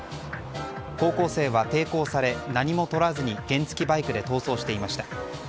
高校生は抵抗され何も取らずに原付きバイクで逃走していました。